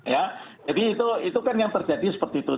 jadi itu kan yang terjadi seperti itu